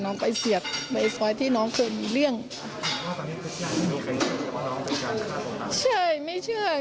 หนูตายหนูก็ไม่เชื่อ